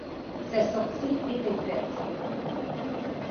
Sa sortie était faite.